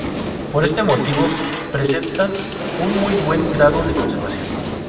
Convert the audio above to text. Por este motivo presentan un muy buen grado de conservación.